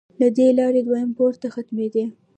له دې لارې دویم پوړ ته ختمېدې.